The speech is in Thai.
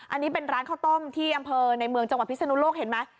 อันนี้เป็นร้านข้าวต้มที่อำเภอในเมืองจังหวัดพิศนุโลกเห็นไหม